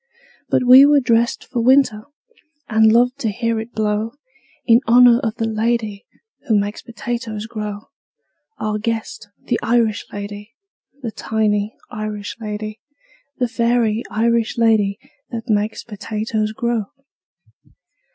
But we were dressed for winter, And loved to hear it blow In honor of the lady Who makes potatoes grow Our guest, the Irish lady, The tiny Irish lady, The fairy Irish lady That makes potatoes grow.